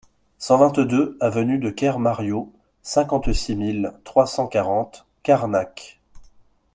cent vingt-deux avenue de Kermario, cinquante-six mille trois cent quarante Carnac